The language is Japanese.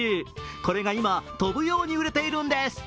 これが今、飛ぶように売れているんです。